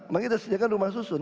maka kita sediakan rumah susun